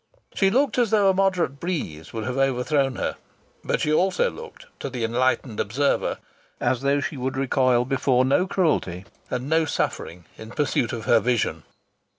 She looked as though a moderate breeze would have overthrown her, but she also looked, to the enlightened observer, as though she would recoil before no cruelty and no suffering in pursuit of her vision.